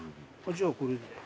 じゃあこれ。